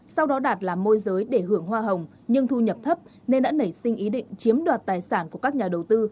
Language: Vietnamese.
sau đó đạt là môi giới để hưởng hoa hồng nhưng thu nhập thấp nên đã nảy sinh ý định chiếm đoạt tài sản của các nhà đầu tư